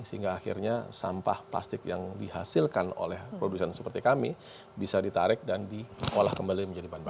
sehingga akhirnya sampah plastik yang dihasilkan oleh produsen seperti kami bisa ditarik dan diolah kembali menjadi bahan bakar